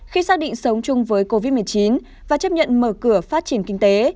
khi xác định sống chung với covid một mươi chín và chấp nhận mở cửa phát triển kinh tế